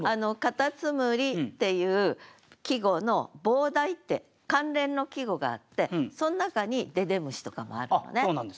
「蝸牛」っていう季語の傍題って関連の季語があってその中に「ででむし」とかもあるのね。